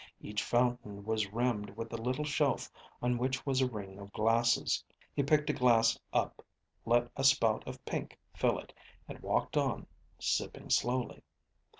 Each fountain was rimmed with a little shelf on which was a ring of glasses. He picked a glass up, let a spout of pink fill it, and walked on, sipping slowly.